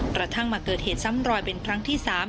กระทั่งมาเกิดเหตุซ้ำรอยเป็นครั้งที่๓